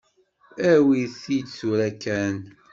Awi-t-id tura kan.